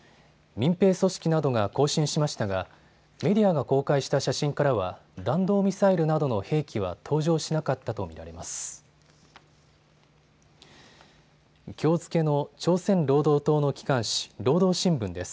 民兵組織などが行進しましたがメディアが公開した写真からは弾道ミサイルなどの兵器は登場しなかったと見られます。